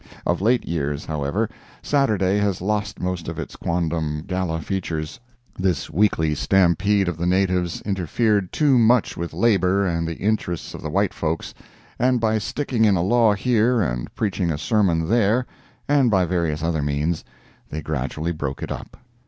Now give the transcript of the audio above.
Of late years, however, Saturday has lost most of its quondam gala features. This weekly stampede of the natives interfered too much with labor and the interests of the white folks, and by sticking in a law here, and preaching a sermon there, and by various other means, they gradually broke it up.